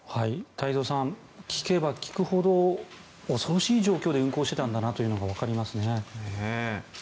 太蔵さん聞けば聞くほど恐ろしい状況で運航していたんだなというのがわかりますね。